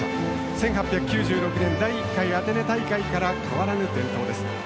１８９６年第１回アテネ大会から変わらぬ伝統です。